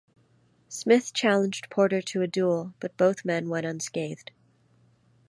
Smyth challenged Porter to a duel, but both men went unscathed.